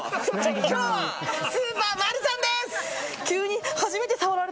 今日はスーパーマルサンです！